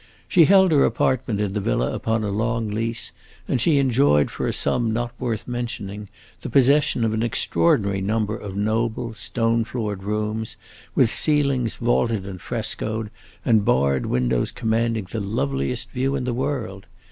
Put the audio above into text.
She held her apartment in the villa upon a long lease, and she enjoyed for a sum not worth mentioning the possession of an extraordinary number of noble, stone floored rooms, with ceilings vaulted and frescoed, and barred windows commanding the loveliest view in the world.